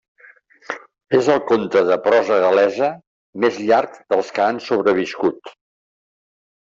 És el conte de prosa gal·lesa més llarg dels que han sobreviscut.